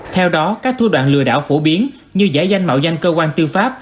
theo đó các thua đoạn lừa đảo phổ biến như giải danh mạo danh cơ quan tư pháp